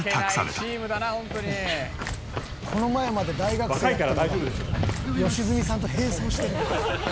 「この前まで大学生やったのが良純さんと並走してる」